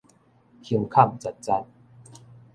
胸坎實實